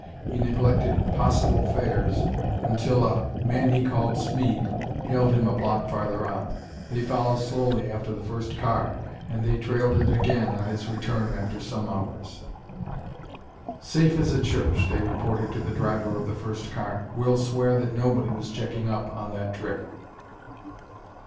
He neglected possible fares until a man he called Smeed hailed him a block farther on. They followed slowly after the first car ... and they trailed it again on its return after some hours. "Safe as a church," they reported to the driver of the first car. "We'll swear that nobody was checking up on that trip."